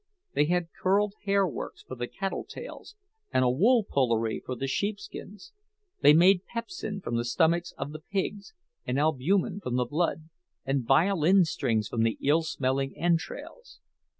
They had curled hair works for the cattle tails, and a "wool pullery" for the sheepskins; they made pepsin from the stomachs of the pigs, and albumen from the blood, and violin strings from the ill smelling entrails.